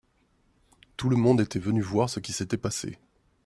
Tout le monde était venu voir ce qui s'était passé.